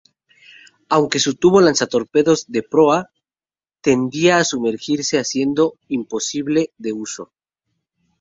Aunque su tubo lanzatorpedos de proa, tendía a sumergirse haciendo imposible de uso.